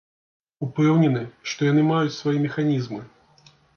Упэўнены, што яны маюць свае механізмы.